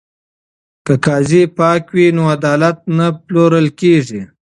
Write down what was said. که قاضي پاک وي نو عدالت نه پلورل کیږي.